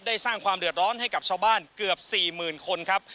สร้างความเดือดร้อนให้กับชาวบ้านเกือบ๔๐๐๐คนครับ